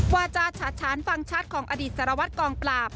วาจาฉะฉานฟังชัดของอดีตสารวัตรกองปราบ